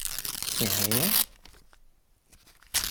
— Княгиня?